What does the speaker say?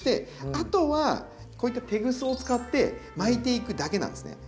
あとはこういったテグスを使って巻いていくだけなんですね。